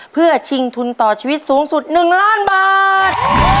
เพื่อชิงทุนต่อชีวิตสูงสุด๑ล้านบาท